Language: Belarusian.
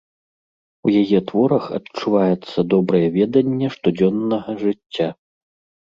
У яе творах адчуваецца добрае веданне штодзённага жыцця.